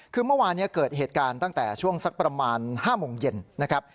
คือเมื่อวานนี้เกิดเหตุการณ์ตั้งแต่ช่วงสักประมาณ๕โมงเย็นนะครับ